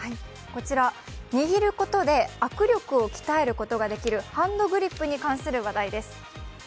こちら、握ることで握力を鍛えることができるハンドグリップに関する話題です。